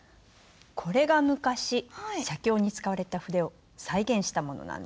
これが昔写経に使われた筆を再現したものなんです。